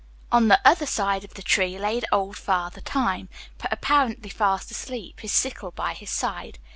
On the other side of the tree lay old Father Time, apparently fast asleep, his sickle by his side.